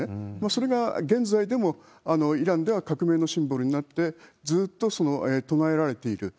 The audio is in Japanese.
それが現在でもイランでは革命のシンボルになって、ずーっと唱えられている。